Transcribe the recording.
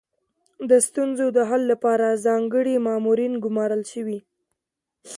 د ستونزو د حل لپاره ځانګړي مامورین ګمارل شوي.